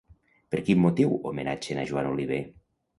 Per quin motiu homenatgen a Joan Oliver?